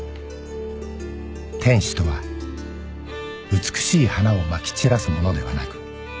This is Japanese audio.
「天使とは美しい花を撒き散らす者ではなく」